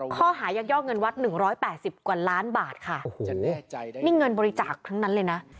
ข้อหายักยอกเงินวัดหนึ่งร้อยแปดสิบกว่าล้านบาทค่ะโอ้โหนี่เงินบริจาคทั้งนั้นเลยนะ